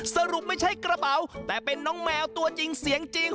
สรุปไม่ใช่กระเป๋าแต่เป็นน้องแมวตัวจริงเสียงจริง